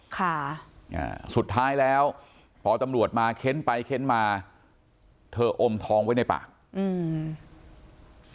ค่ะอ่าสุดท้ายแล้วพอตำรวจมาเค้นไปเค้นมาเธออมทองไว้ในปากอืม